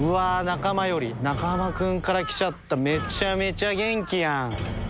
中間君から来ちゃっためちゃめちゃ元気やん。